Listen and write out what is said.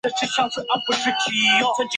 比里阿图。